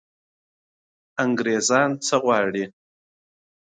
انګرېزان څه غواړي.